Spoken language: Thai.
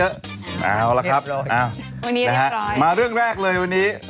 เอาละครับเอาวันนี้เรียบร้อยมาเรื่องแรกเลยวันนี้